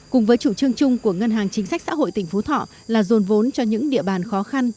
cùng với chủ trương chung của ngân hàng chính sách xã hội tỉnh phú thọ là dồn vốn cho những địa bàn khó khăn